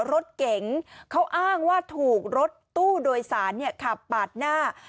รถเก๋งเขาอ้างว่าถูกรถตู้โดยสารขับปาดหน้า